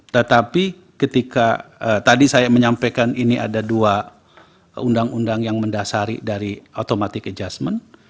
tetapi ketika tadi saya menyampaikan ini ada dua undang undang yang mendasari dari automatic adjustment